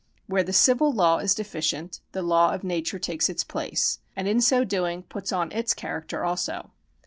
Where the civil law is deficient, the law of nature takes its place, and in so doing puts on its character also.